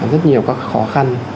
rất nhiều các khó khăn